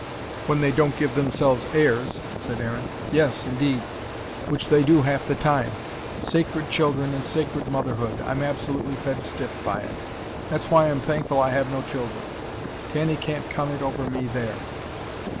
"When they don't give themselves airs," said Aaron. "Yes, indeed. Which they do half the time. Sacred children, and sacred motherhood, I'm absolutely fed stiff by it. That's why I'm thankful I have no children. Tanny can't come it over me there."